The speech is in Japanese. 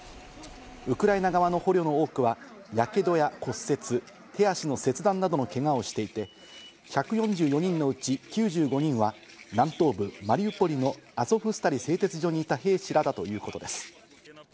ウクライナ側の捕虜の多くはやけどや骨折、手足の切断などのけがをしていて、１４４人のうち９５人は南東部マリウポリのアゾフスタリ製鉄所にいた兵士らだということです。